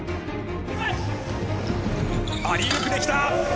アリウープで来た！